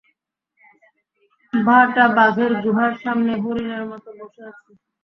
ভাঁড়টা বাঘের গুহার সামনে হরিনের মতো বসে আছে।